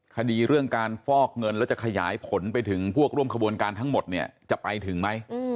คดีเรื่องการฟอกเงินแล้วจะขยายผลไปถึงพวกร่วมขบวนการทั้งหมดเนี่ยจะไปถึงไหม